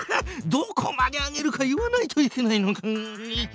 どこまで上げるか言わないといけないのか！